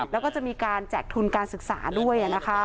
แล้วจะจากทุนการศึกษาด้วย